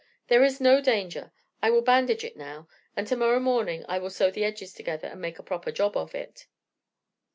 There is no danger. I will bandage it now, and tomorrow morning I will sew the edges together, and make a proper job of it.'